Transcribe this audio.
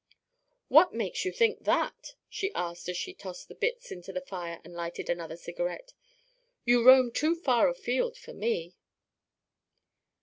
"What makes you think that?" she asked, as she tossed the bits into the fire and lighted another cigarette. "You roam too far afield for me."